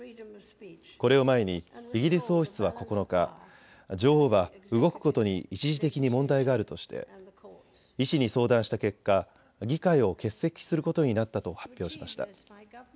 これを前にイギリス王室は９日、女王は動くことに一時的に問題があるとして医師に相談した結果、議会を欠席することになったと発表しました。